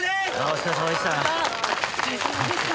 お疲れさまでした。